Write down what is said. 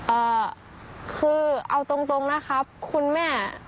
เอ่อคือเอาตรงตรงนะครับคุณแม่